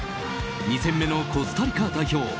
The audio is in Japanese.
２戦目のコスタリカ代表